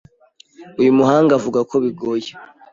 Uyu muhanga avuga ko bigoye